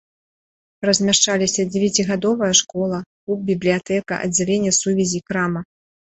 Размяшчаліся дзевяцігадовая школа, клуб, бібліятэка, аддзяленне сувязі, крама.